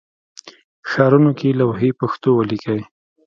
ښارونو کې لوحې پښتو ولیکئ